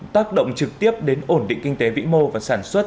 tác động trực tiếp đến ổn định kinh tế vĩ mô và sản xuất